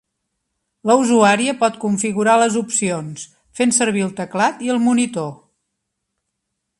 La usuària pot configurar les opcions fent servir el teclat i el monitor.